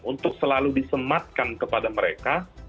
untuk selalu disematkan kepada mereka